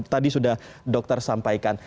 tadi sudah dokter sampaikan